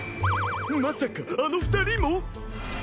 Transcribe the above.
まさかあの２人も！？